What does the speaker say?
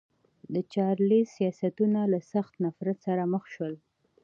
د چارلېز سیاستونه له سخت نفرت سره مخ شول.